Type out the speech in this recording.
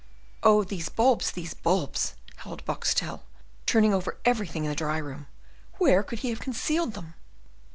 "Oh these bulbs, these bulbs!" howled Boxtel, turning over everything in the dry room, "where could he have concealed them?"